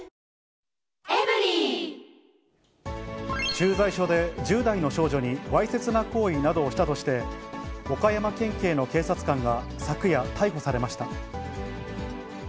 駐在所で１０代の少女にわいせつな行為などをしたとして、岡山県警の警察官が昨夜、逮捕されました。